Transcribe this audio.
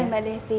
iya mbak desy